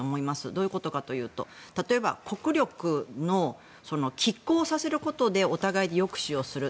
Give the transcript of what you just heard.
どういうことかというと例えば国力をきっ抗させることでお互いに抑止をする。